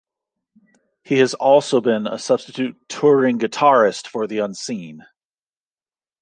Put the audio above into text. He has also been a substitute touring guitarist for The Unseen.